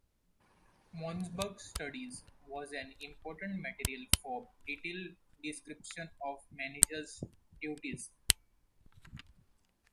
Monzberg studies was an important material for detailed description of manager’s duties.